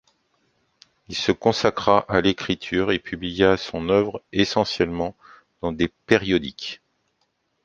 Il se consacra à l'écriture et publia son œuvre essentiellement dans des périodiques.